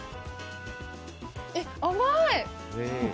えっ、甘い！